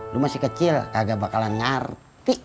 lu masih kecil kagak bakalan nyari